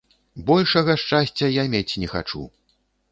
Большага шчасця я мець не хачу!